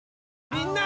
みんな！